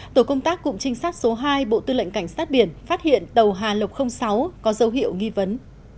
tổ công tác cụm trinh sát số hai bộ tư lệnh cảnh sát biển phát hiện tàu hà lộc sáu có dấu hiệu nghi vấn